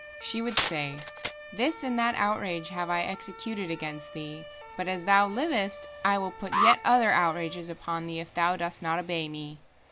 She would say, "This and that outrage have I executed against thee, but, as thou livest, I will put yet other outrages upon thee if thou dost not obey me."